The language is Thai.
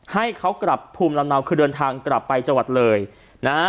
ให้เขากลับภูมิลำเนาคือเดินทางกลับไปจังหวัดเลยนะฮะ